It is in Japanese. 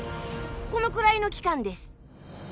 このくらいの期間です。